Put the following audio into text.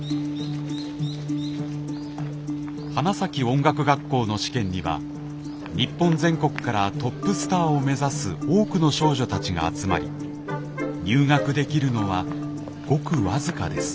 花咲音楽学校の試験には日本全国からトップスターを目指す多くの少女たちが集まり入学できるのはごく僅かです。